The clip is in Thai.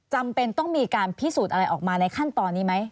จำเป็นต้องมีการพิสูจน์อะไรออกมาในขั้นตอนนี้ไหม